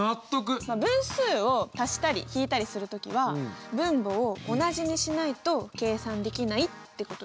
分数を足したり引いたりする時は分母を同じにしないと計算できないってことだね。